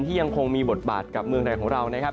ที่ยังคงมีบทบาทกับเมืองไทยของเรา